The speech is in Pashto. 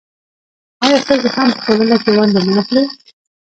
آیا ښځې هم په ټولنه کې ونډه نه اخلي؟